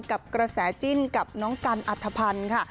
กับกระแสจิ้นกับน้องกันอัธพันธ์ค่ะ